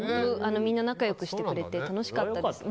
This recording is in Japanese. みんな仲良くしてくれて楽しかったです。